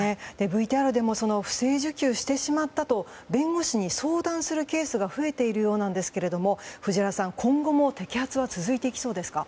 ＶＴＲでも不正受給してしまったと弁護士に相談するケースが増えているようですが藤原さん、今後も摘発は続いていきそうですか？